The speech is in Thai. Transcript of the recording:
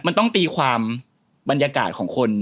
มันต้องตีความบรรยากาศของคน